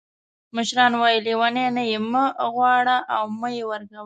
مشران وایي لیوني نه یې مه غواړه او مه یې ورکوه.